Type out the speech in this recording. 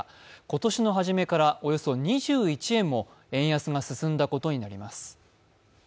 今年の初めからおよそ２１円も円安が進んだことになります。